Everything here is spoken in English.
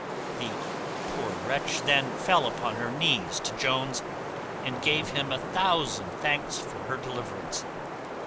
The poor wretch then fell upon her knees to Jones, and gave him a thousand thanks for her deliverance.